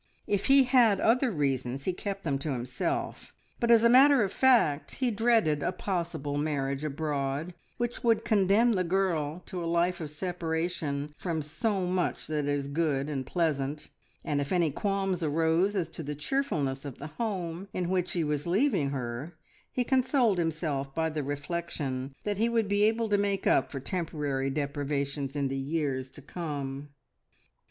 If he had other reasons he kept them to himself, but as a matter of fact he dreaded a possible marriage abroad, which would condemn the girl to a life of separation from so much that is good and pleasant, and if any qualms arose as to the cheerfulness of the home in which he was leaving her, he consoled himself by the reflection that he would be able to make up for temporary deprivations in the years to come.